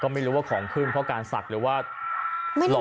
ก็ไม่รู้ว่าของขึ้นเพราะการสักหรือว่า